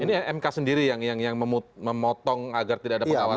ini mk sendiri yang memotong agar tidak ada pengawasan